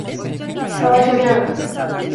Savaşacağım.